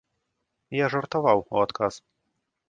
Я жартаваў у адказ.